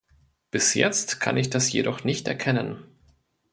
Bis jetzt kann ich das jedoch nicht erkennen.